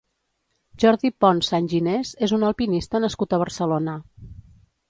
Jordi Pons Sanginés és un alpinista nascut a Barcelona.